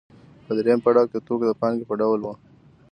په درېیم پړاو کې د توکو د پانګې په ډول وه